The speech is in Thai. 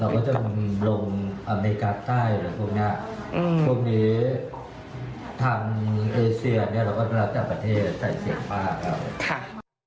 เราก็จะลงอเมริกาใต้พวกนี้พวกนี้ทำเอเซียนเนี่ยเราก็แล้วจากประเทศใส่เสียงผ้าเข้า